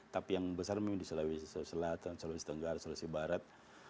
tapi yang besar memang di sulawesi selatan sulawesi tenggara sulawesi barat